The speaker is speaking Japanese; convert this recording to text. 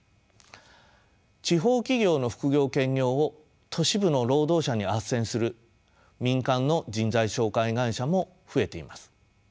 地方企業の副業・兼業を都市部の労働者にあっせんする民間の人材紹介会社も増えています。